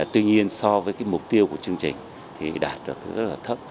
tuy nhiên so với cái mục tiêu của chương trình thì đạt được rất là thấp